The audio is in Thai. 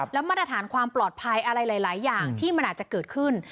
แล้วมาตรฐานความปลอดภัยอะไรหลายอย่างที่มันอาจจะเกิดขึ้น